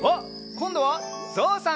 こんどはぞうさん！